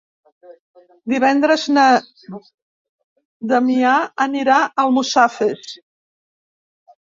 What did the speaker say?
Divendres na Damià anirà a Almussafes.